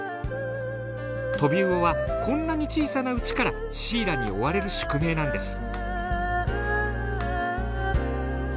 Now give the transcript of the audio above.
トビウオはこんなに小さなうちからシイラに追われる宿命なんです。